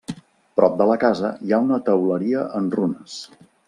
Prop de la casa hi ha una teuleria en runes.